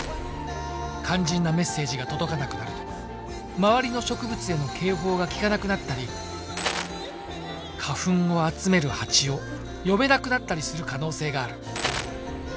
肝心なメッセージが届かなくなると周りの植物への警報が効かなくなったり花粉を集めるハチを呼べなくなったりする可能性がある。